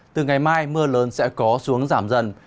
từ ngày mai mưa lớn sẽ có xuống giảm dần